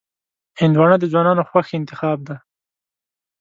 هندوانه د ځوانانو خوښ انتخاب دی.